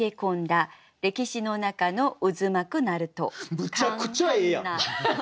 むちゃくちゃええやん！